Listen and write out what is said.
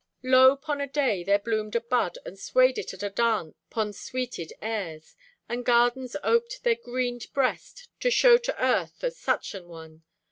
Lo, 'pon a day there bloomed a bud, And swayed it at adance 'pon sweeted airs. And gardens oped their greenéd breast To shew to Earth o' such an one.